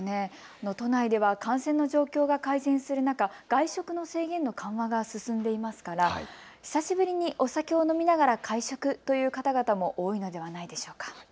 都内では感染の状況が改善する中、外食の制限の緩和が進んでいますから久しぶりにお酒を飲みながら会食という方々も多いのではないでしょうか。